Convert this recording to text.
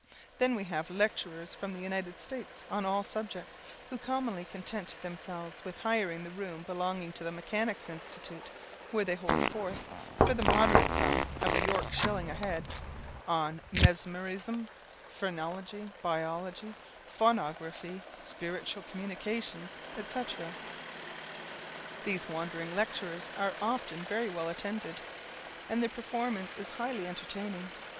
Then we have lecturers from the United States on all subjects, who commonly content themselves with hiring the room belonging to the Mechanics' Institute, where they hold forth, for the moderate sum of a York shilling a head, on mesmerism, phrenology, biology, phonography, spiritual communications, etc. These wandering lectures are often very well attended, and their performance is highly entertaining.